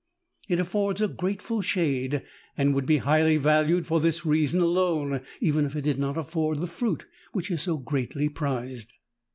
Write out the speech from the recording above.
It affords a grateful shade, and would be highly valued for this reason alone, even if it did not afford the fruit which is so greatly prized.